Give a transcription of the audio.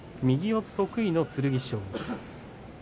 右四つ得意の剣翔。